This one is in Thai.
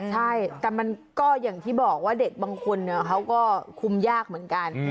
ใช่แต่มันก็อย่างที่บอกว่าเด็กบางคนเขาก็คุมยากเหมือนกัน